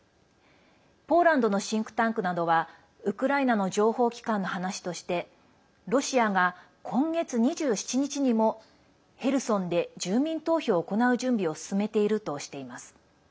ポーランドのシンクタンクなどはウクライナの情報機関の話としてロシアが今月２７日にもヘルソンで住民投票を行う準備を進めているとしています。